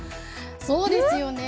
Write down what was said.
そうですよね。